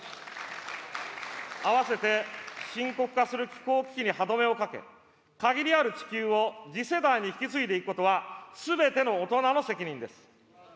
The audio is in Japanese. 合わせて、深刻化する気候危機に歯止めをかけ、限りある地球を次世代に引き継いでいくことは、すべての大人の責任です。